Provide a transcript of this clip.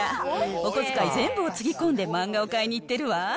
お小遣い全部をつぎ込んで漫画を買いに行ってるわ。